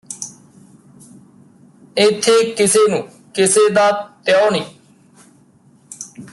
ਏਥੇ ਕਿਸੇ ਨੂੰ ਕਿਸੇ ਦਾ ਤਿਹੁ ਨੀ